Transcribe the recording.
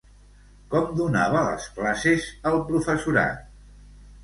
Com donava les classes el professorat?